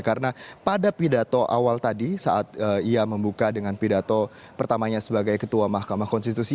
karena pada pidato awal tadi saat ia membuka dengan pidato pertamanya sebagai ketua mahkamah konstitusi